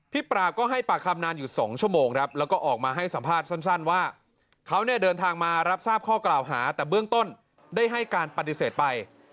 ปราบก็ให้ปากคำนานอยู่๒ชั่วโมงครับแล้วก็ออกมาให้สัมภาษณ์สั้นว่าเขาเนี่ยเดินทางมารับทราบข้อกล่าวหาแต่เบื้องต้นได้ให้การปฏิเสธไป